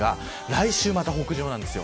来週、また北上です。